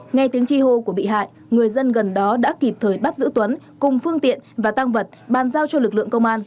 nghe tiếng chi hô của bị hại người dân gần đó đã kịp thời bắt giữ tuấn cùng phương tiện và tăng vật bàn giao cho lực lượng công an